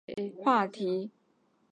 讨论节目以社会科学为话题。